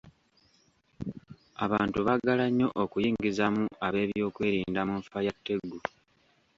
Abantu baagala nnyo okuyingizaamu ab'ebyokwerinda mu nfa ya Tegu.